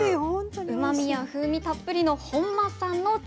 うまみや風味たっぷりの本間さんのチーズ。